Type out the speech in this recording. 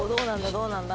どうなんだ？